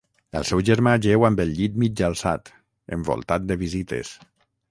El seu germà jeu amb el llit mig alçat, envoltat de visites.